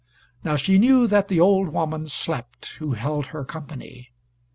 Now she knew that the old woman slept who held her company.